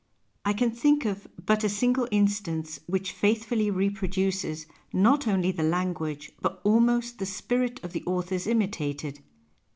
I can think of but a single instance whieh faithfully reproduces not only the language but almost the spirit of the authors imitated — M.